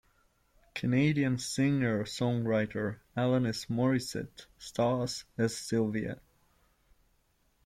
Canadian singer-songwriter Alanis Morissette stars as Sylvia.